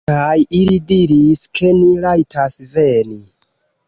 kaj ili diris, ke ni rajtas veni